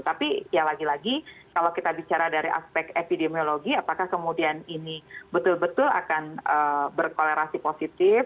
tapi ya lagi lagi kalau kita bicara dari aspek epidemiologi apakah kemudian ini betul betul akan berkolerasi positif